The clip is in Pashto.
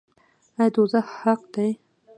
آیا دوزخ حق دی؟